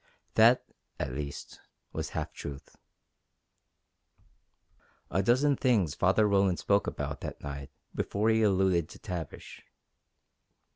That, at least, was half truth. A dozen things Father Roland spoke about that night before he alluded to Tavish.